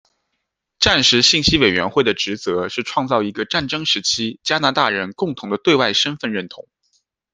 战时信息委员会的职责是创造一个战争时期加拿大人共同的对外身份认同。